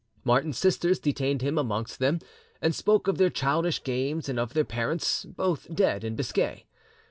Martin's sisters detained him amongst them, and spoke of their childish games and of their parents, both dead in Biscay.